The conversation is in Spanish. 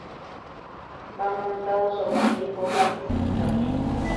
Va montado sobre un trípode ajustable.